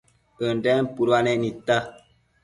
ënden puduanec nidta